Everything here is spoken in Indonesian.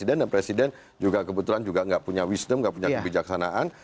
karena ada presiden dan presiden kebetulan juga tidak punya wisdom tidak punya kebijaksanaan